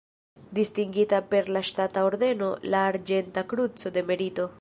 Distingita per la ŝtata ordeno la Arĝenta Kruco de Merito.